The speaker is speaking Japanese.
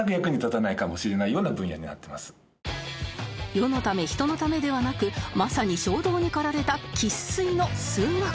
世のため人のためではなくまさに衝動に駆られた生粋の数学バカ